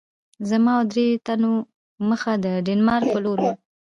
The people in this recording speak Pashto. زما او د دریو تنو مخه د ډنمارک په لور وه.